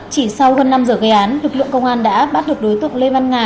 chỉ sau hơn năm giờ gây án lực lượng công an đã bắt được đối tượng lê văn nga